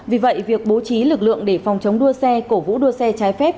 vì vậy việc bố trí lực lượng để phòng chống đua xe cổ vũ đua xe trái phép